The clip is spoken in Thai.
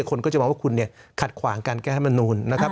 คนก็จะมองว่าคุณเนี่ยขัดขวางการแก้ธรรมนูลนะครับ